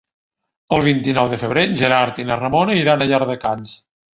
El vint-i-nou de febrer en Gerard i na Ramona iran a Llardecans.